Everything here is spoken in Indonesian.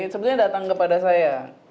sebetulnya datang kepada saya